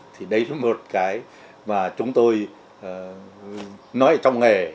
thì đấy là một cái mà chúng tôi nói ở trong nghề